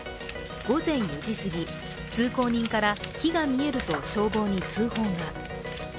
午前４時すぎ、通行人から火が見えると消防に通報が。